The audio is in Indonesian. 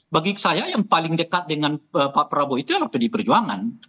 bagi saya yang paling dekat dengan pak prabowo itu adalah pdi perjuangan